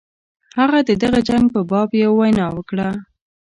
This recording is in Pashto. هغه د دغه جنګ په باب یوه وینا وکړه.